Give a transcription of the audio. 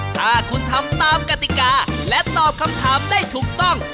ถ้าคุณทำตามกติกาและตอบคำถามได้ถูกต้อง